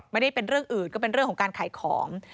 ไม่ได้เป็นเรื่องอื่นก็เป็นเรื่องของการขายของ